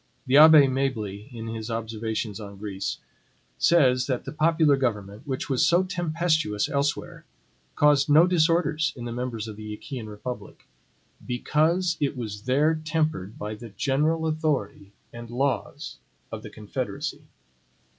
The Abbe Mably, in his observations on Greece, says that the popular government, which was so tempestuous elsewhere, caused no disorders in the members of the Achaean republic, BECAUSE IT WAS THERE TEMPERED BY THE GENERAL AUTHORITY AND LAWS OF THE CONFEDERACY.